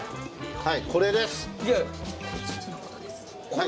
はい。